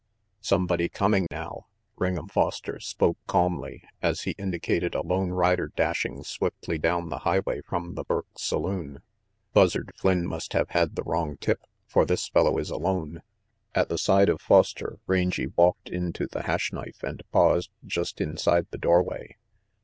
"Somebody coming now!" Ring'em Foster spoke calmly, as he indicated a lone rider dashing swiftly down the highway from the Burke saloon. " Buzzard Flynn must have had the wrong tip, for this fellow is alone." At the side of Foster Rangy walked into the Hash Knife and paused just inside the doorway.